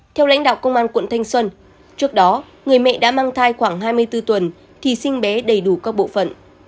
theo lãnh đạo công an quận thanh xuân trước đó người mẹ đã mang thai khoảng hai mươi bốn tuần thì sinh bé đầy đủ các bộ phận